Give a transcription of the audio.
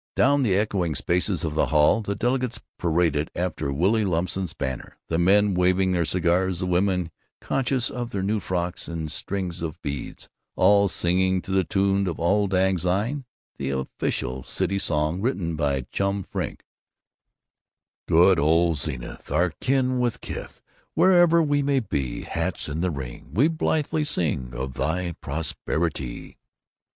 Down the echoing spaces of the hall the delegates paraded after Willy Lumsen's banner, the men waving their cigars, the women conscious of their new frocks and strings of beads, all singing to the tune of Auld Lang Syne the official City Song, written by Chum Frink: Good old Zenith, Our kin and kith, Wherever we may be, Hats in the ring, We blithely sing Of thy Prosperity.